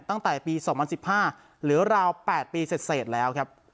ตั้งแต่ปีสองพันสิบห้าเหลือราวแปดปีเศษเศษแล้วครับ